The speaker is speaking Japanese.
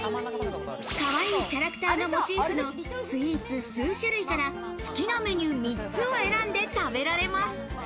かわいいキャラクターがモチーフのスイーツ数種類から好きなメニュー３つを選んで食べられます。